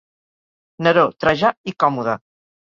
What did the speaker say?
Neró, Trajà i Còmode.